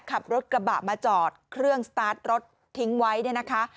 ขับรถกระบะมาจอดเครื่องสตาร์ทรถทิ้งไว้เนี่ยนะคะ